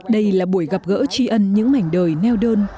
đây là buổi gặp gỡ tri ân những mảnh đời neo đơn